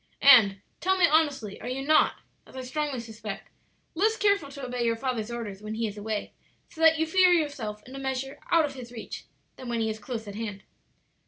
"And, tell me honestly, are you not, as I strongly suspect, less careful to obey your father's orders when he is away, so that you feel yourself in a measure out of his reach, than when he is close at hand?"